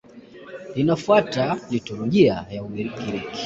Linafuata liturujia ya Ugiriki.